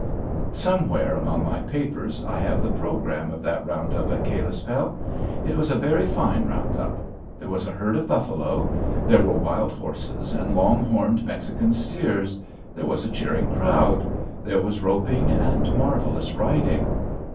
Somewhere among my papers I have the programme of that round up at Kalispell. It was a very fine round up. There was a herd of buffalo; there were wild horses and long horned Mexican steers. There was a cheering crowd. There was roping, and marvelous riding.